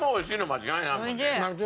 間違いない。